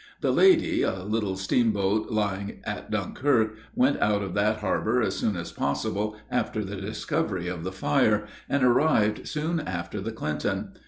The Lady, a little steamboat lying at Dunkirk, went out of that harbor as soon as possible, after the discovery of the fire, and arrived soon after the Clinton.